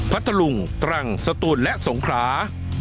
พัทธลุงตรังสตูนและสงครา